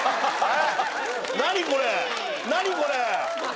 何これ！？